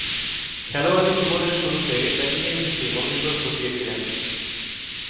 খেলোয়াড়ী জীবনের শুরুতে ব্যাটিংয়ের দিকেই মনোনিবেশ ঘটিয়েছিলেন।